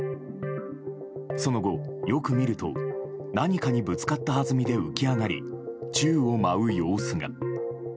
その後、よく見ると何かにぶつかったはずみで浮き上がり、宙を舞う様子が。